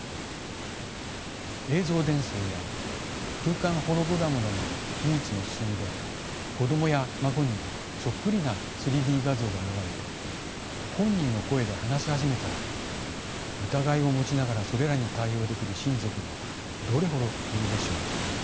映像伝送や空間ホログラムなどの技術も進んで子供や孫にそっくりな３Ｄ画像が現れて本人の声で話し始めたら疑いを持ちながらそれらに対応できる親族がどれほどいるでしょう。